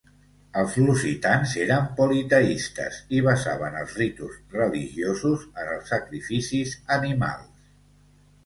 Els lusitans eren politeistes i basaven els ritus religiosos en els sacrificis animals.